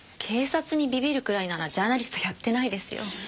警察にビビるくらいならジャーナリストやってないですよ。